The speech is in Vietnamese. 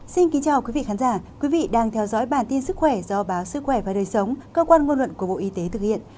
xin kính chào quý vị khán giả quý vị đang theo dõi bản tin sức khỏe do báo sức khỏe và đời sống cơ quan ngôn luận của bộ y tế thực hiện